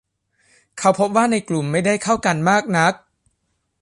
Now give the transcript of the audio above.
เขาพบว่าในกลุ่มไม่ได้เข้ากันมากนัก